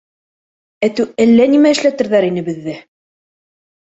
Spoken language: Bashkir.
Әтеү әллә нимә эшләтерҙәр ине беҙҙе!